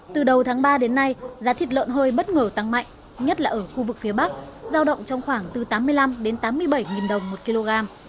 từ đầu tháng ba đến nay giá thịt lợn hơi bất ngờ tăng mạnh nhất là ở khu vực phía bắc giao động trong khoảng từ tám mươi năm đến tám mươi bảy đồng một kg